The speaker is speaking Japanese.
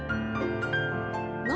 「何？